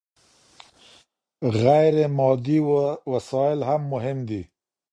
غير مادي وسايل هم مهم دي.